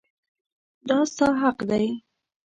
دا ستا حق دی.